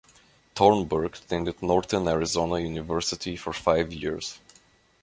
Thornburg attended Northern Arizona University for five years.